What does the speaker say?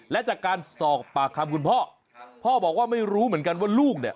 และจากการสอบปากคำคุณพ่อพ่อบอกว่าไม่รู้เหมือนกันว่าลูกเนี่ย